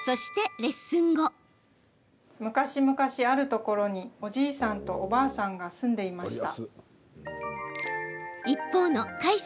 昔々あるところにおじいさんとおばあさんが住んでいました。